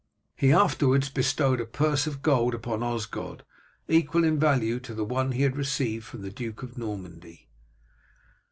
He afterwards bestowed a purse of gold upon Osgod, equal in value to the one he had received from the Duke of Normandy.